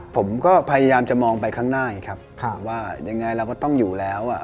ผมก็พยายามจะมองไปข้างหน้าไงครับว่ายังไงเราก็ต้องอยู่แล้วอ่ะ